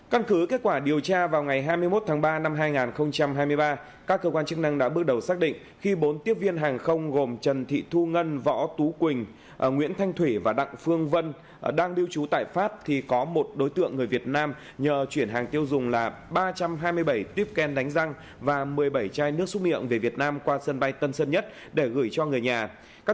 căn cứ kết quả điều tra vào ngày hai mươi một tháng ba năm hai nghìn hai mươi ba các cơ quan chức năng đã bước đầu xác định khi bốn tiếp viên hàng không gồm trần thị thu ngân võ tú quỳnh nguyễn thanh thủy và đặng phương vân đang điêu chú tại pháp thì có một đối tượng người việt nam nhờ chuyển hàng tiêu dùng là ba trăm hai mươi bảy tiếp ken đánh răng và một mươi bảy chai nước xúc miệng về việt nam qua sân bay tân sơn nhất để gửi cho người nhà